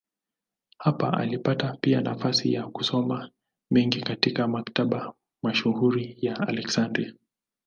Hapa alipata pia nafasi ya kusoma mengi katika maktaba mashuhuri ya Aleksandria.